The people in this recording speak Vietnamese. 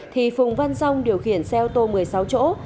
thì phùng văn rong điều khiển xe ô tô một mươi sáu chỗ